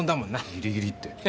ギリギリって。